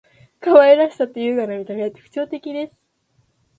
可愛らしさと優雅な見た目は特徴的です．